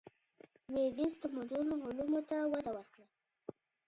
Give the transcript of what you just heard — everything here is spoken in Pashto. لوېدیځ تمدن علومو ته وده ورکړه.